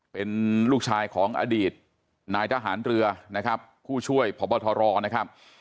เป็นลูกชายของอดีตนายทหารเรือนะครับผู้ช่วยพบทรนะครับ